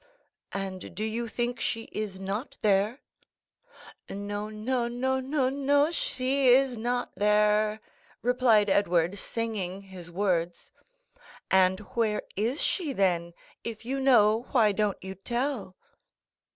"And do you think she is not there?" "No, no, no, no, no, she is not there," replied Edward, singing his words. "And where is she, then? If you know, why don't you tell?"